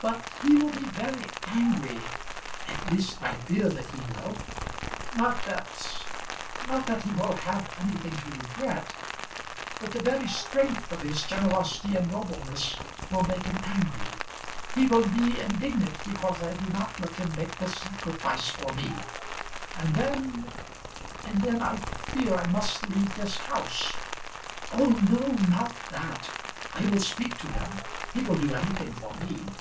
"But he will be very angry at least I fear that he will. Not that not that he will have anything to regret. But the very strength of his generosity and nobleness will make him angry. He will be indignant because I do not let him make this sacrifice for me. And then and then I fear I must leave this house." "Oh no, not that; I will speak to him. He will do anything for me."